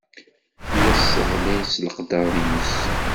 Tella tesseɣlay s leqder-nnes.